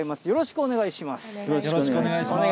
よろしくお願いします。